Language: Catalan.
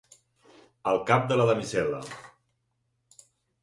El cap de la damisel·la.